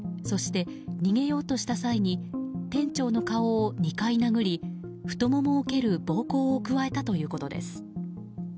そして逃げようとした際に店長の顔を２回殴り太ももを蹴る暴行を加えたということです。